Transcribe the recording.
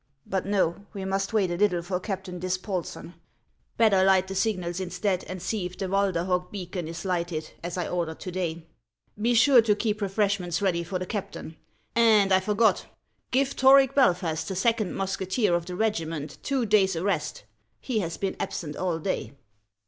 But no, we must wait a little for Captain Dispolseu; better light the signals instead, and see if the "\Valderhog beacon is lighted, as I ordered to day, Be sure to keep refreshments ready for the captain. And, I forgot, — give Toric Belfast, the second musketeer of the regiment, two days' arrest ; he has been absent all day."